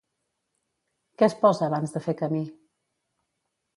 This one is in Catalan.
Què es posa abans de fer camí?